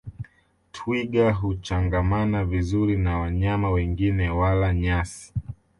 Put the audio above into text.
Twiga huchangamana vizuri na wanyama wengine wala nyasi